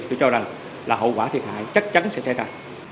tôi cho rằng là hậu quả thiệt hại chắc chắn sẽ xảy ra